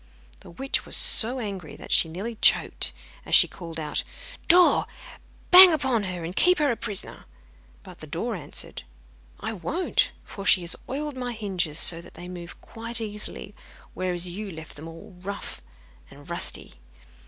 The witch was so angry that she nearly choked, as she called out: 'Door, bang upon her, and keep her a prisoner.' But the door answered: 'I won't, for she has oiled my hinges, so that they move quite easily, whereas you left them all rough and rusty.